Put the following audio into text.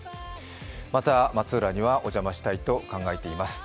また松浦にはお邪魔したいと考えています。